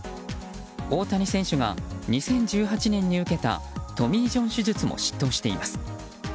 大谷選手が２０１８年に受けたトミー・ジョン手術も執刀しています。